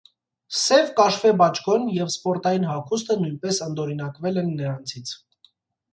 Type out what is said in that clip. Սև կաշվե բաճկոն և սպորտային հագուստը նույնպես ընդօրինակվել են նրանցից։